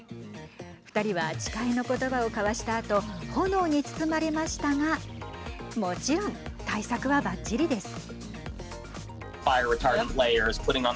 ２人は誓いのことばを交わしたあと炎に包まれましたがもちろん対策はばっちりです。